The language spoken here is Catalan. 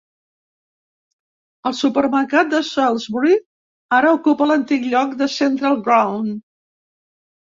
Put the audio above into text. El supermercat de Sainsbury ara ocupa l'antic lloc de Central Ground.